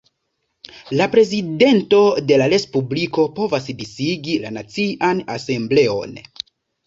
La Prezidento de la Respubliko povas disigi la Nacian Asembleon.